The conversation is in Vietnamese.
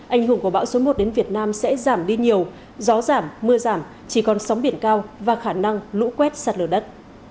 anh hùng của bão số một đến việt nam sẽ giảm đi nhiều gió giảm mưa giảm chỉ còn sóng biển cao và khả năng lũ quét sạt lở đất